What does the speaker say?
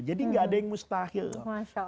jadi nggak ada yang mustahil masya allah